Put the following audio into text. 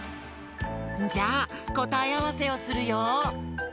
じゃあこたえあわせをするよ。